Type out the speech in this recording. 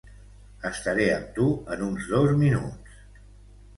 Estaré amb tu en uns dos minuts.